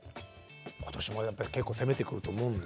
今年もやっぱり結構攻めてくると思うんだ。